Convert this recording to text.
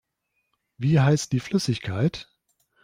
Wie heißt die Flüssigkeit?